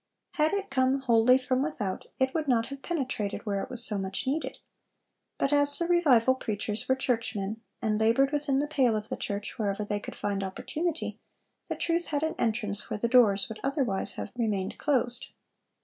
Had it come wholly from without, it would not have penetrated where it was so much needed. But as the revival preachers were churchmen, and labored within the pale of the church wherever they could find opportunity, the truth had an entrance where the doors would otherwise have remained closed.